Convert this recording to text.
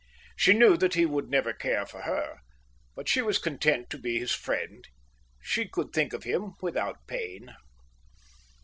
She knew that he would never care for her, but she was content to be his friend. She could think of him without pain.